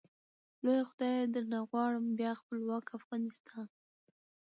لويه خدايه درنه غواړم ، بيا خپلوک افغانستان مي